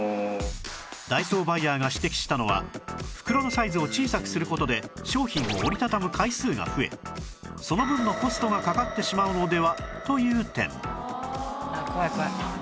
ダイソーバイヤーが指摘したのは袋のサイズを小さくする事で商品を折り畳む回数が増えその分のコストがかかってしまうのでは？という点